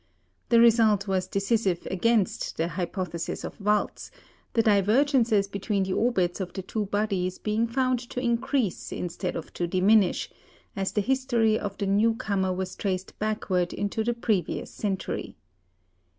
The result was decisive against the hypothesis of Valz, the divergences between the orbits of the two bodies being found to increase instead of to diminish, as the history of the new comer was traced backward into the previous century.